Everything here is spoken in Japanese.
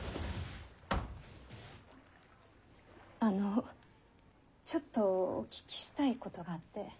あのちょっとお聞きしたいことがあって。